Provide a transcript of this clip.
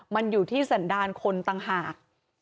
มันอยู่ที่สันดาลคนต่างหาก